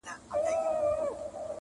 په صفت مړېده نه وه د ټوكرانو٫